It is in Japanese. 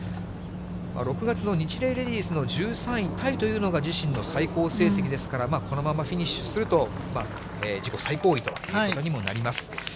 ６月のニチレイレディスの１３位タイというのが自身の最高成績ですから、このままフィニッシュすると、自己最高位ということにもなります。